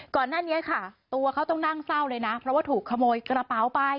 ก่อนหน้านี้ค่ะตัวเขาต้องนั่งเศร้าเลยนะเพราะว่าถูกขโมยกระเป๋าไป